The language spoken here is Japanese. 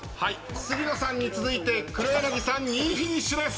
杉野さんに続いて黒柳さん２位フィニッシュです。